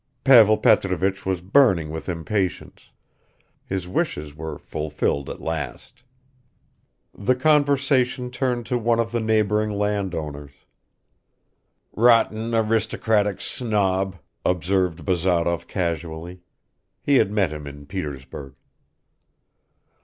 Pavel Petrovich was burning with impatience; his wishes were fulfilled at last. The conversation turned to one of the neighboring landowners. "Rotten aristocratic snob," observed Bazarov casually; he had met him in Petersburg.